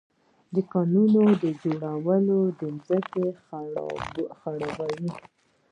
د کانالونو جوړول ځمکې خړوبوي.